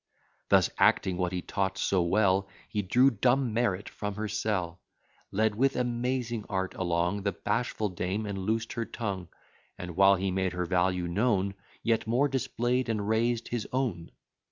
Thus acting what he taught so well, He drew dumb merit from her cell, Led with amazing art along The bashful dame, and loosed her tongue; And, while he made her value known, Yet more display'd and raised his own.